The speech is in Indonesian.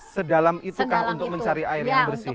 sedalam itukah untuk mencari air yang bersih